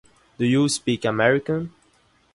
Do You Speak American?